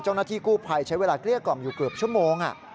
เจ้าหน้าที่กู้ภัยใช้เวลาเกลี้ยกล่อมอยู่เกือบชั่วโมง